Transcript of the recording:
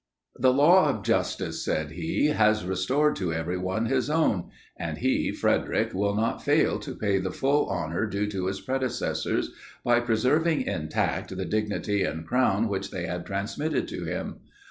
The law of justice, said he, has restored to every one his own; and he (Frederic) will not fail to pay the full honor due to his predecessors, by preserving intact the dignity and crown which they had transmitted to him.